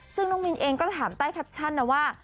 ซึ่งน้องมินเองก็ถามใต้แคปชั่นนะว่า